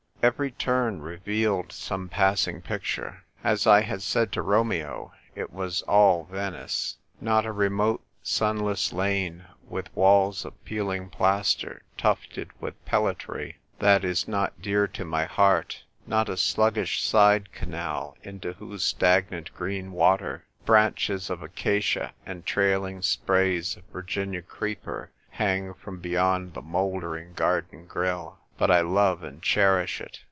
Every turn revealed some pass ing picture. As 1 had said to Romeo, it was all Venice. Not a remote sunless lane, with walls of peehng plaster, tufted with pellitory, that is not dear to my heart ; not a sluggish side canal, into whose stagnant green water branches of acacia and trailing sprays of Vir ginia creeper hang from beyond the moulder ing garden grill, but I love and cherish it.